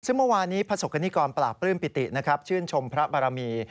ซึ่งเมื่อวานี้ภาษกนิกรปลาปลื้มปิติชื่นชมพระบารมี